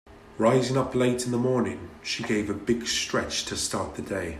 Rising up late in the morning she gave a big stretch to start the day.